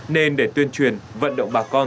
nên để tuyên truyền vận động bà con